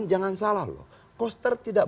jangan salah loh koster tidak